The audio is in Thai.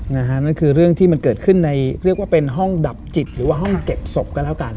นั่นคือเรื่องที่มันเกิดขึ้นในเรียกว่าเป็นห้องดับจิตหรือว่าห้องเก็บศพก็แล้วกัน